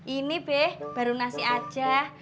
ini be baru nasi aja